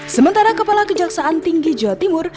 sementara kepala kejaksaan tinggi jawa timur